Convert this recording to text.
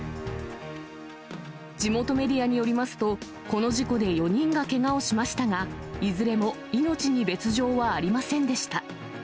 地元メディアによりますと、この事故で４人がけがをしましたが、いずれも命に別状はありませんでした。